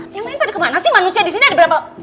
yang lain tadi kemana sih manusia di sini ada berapa